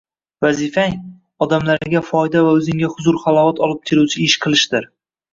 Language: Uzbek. Vazifang – odamlarga foyda va o‘zingga huzur-halovat olib keluvchi ish qilishdir.